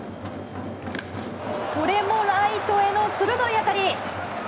これもライトへの鋭い当たり。